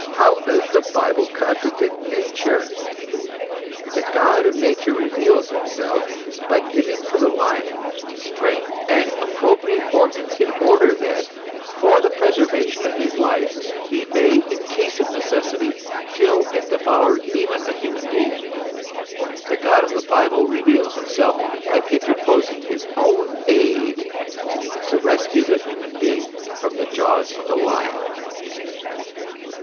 How does the Bible contradict Nature ! The God of Nature reveals himself by giving to the lion strength and appropriate organs in order that, for the preservation of his life, he may in case of necessity kill and devour even a human being ; the God of the Bible reveals himself by interposing his THE ESSENCE OF CHEISTIAN1TY. own aid to rescue the human being from the jaws of the lion